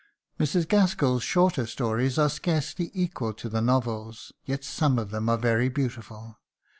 Mrs. Gaskell's shorter stories are scarcely equal to the novels, yet some of them are very beautiful.